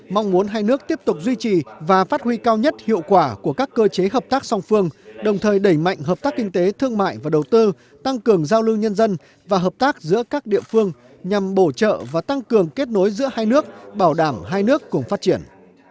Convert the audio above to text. mong muốn hai nước tiếp tục duy trì và phát huy cao nhất hiệu quả của các cơ chế hợp tác song phương đồng thời đẩy mạnh hợp tác kinh tế thương mại và đầu tư tăng cường giao lưu nhân dân và hợp tác giữa các địa phương nhằm bổ trợ và tăng cường kết nối giữa hai nước bảo đảm hai nước cùng phát triển